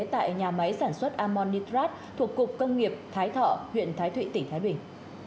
tại nhà máy sản xuất ammonicrat thuộc cục công nghiệp thái thọ huyện thái thụy tỉnh thái bình